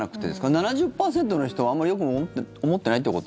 ７０％の人はあまりよく思ってないってこと？